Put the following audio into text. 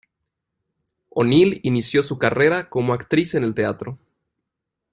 O'Neil inició su carrera como actriz en el teatro.